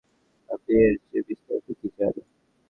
আপনি এরচেয়ে বিস্তারিত কী চান?